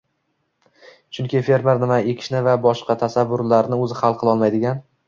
Chunki fermer nima ekishni va boshqa tasarruflarni o‘zi hal qilolmaydigan